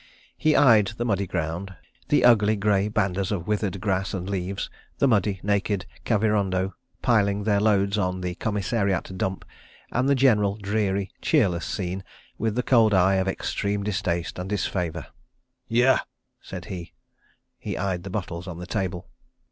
He eyed the muddy ground, the ugly grey bandas of withered grass and leaves, the muddy, naked Kavirondo—piling their loads on the commissariat dump, and the general dreary, cheerless scene, with the cold eye of extreme distaste and disfavour. "Yah!" said he. He eyed the bottles on the table.